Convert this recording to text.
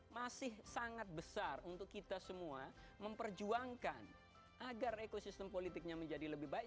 masih sangat besar untuk kita semua memperjuangkan agar ekosistem politiknya menjadi lebih baik